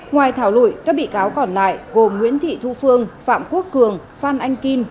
ngoài thảo luận các bị cáo còn lại gồm nguyễn thị thu phương phạm quốc cường phan anh kim